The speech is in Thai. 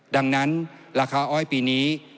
ดังนั้นราคาอ้อยปีนี้